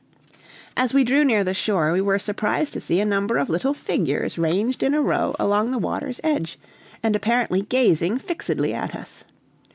As we drew near the shore, we were surprised to see a number of little figures ranged in a row along the water's edge, and apparently gazing fixedly at us.